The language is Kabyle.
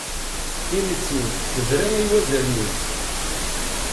Timetti tebra i wazalen-is.